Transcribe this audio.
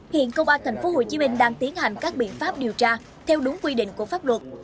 hiện công an tp hcm đang tiến hành các biện pháp điều tra theo đúng quy định của pháp luật